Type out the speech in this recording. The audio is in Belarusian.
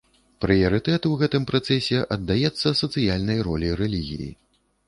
Прыярытэт у гэтым працэсе аддаецца сацыяльнай ролі рэлігіі.